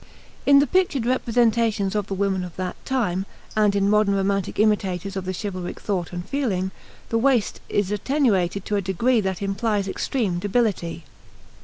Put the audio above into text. In the pictured representations of the women of that time, and in modern romantic imitators of the chivalric thought and feeling, the waist is attenuated to a degree that implies extreme debility.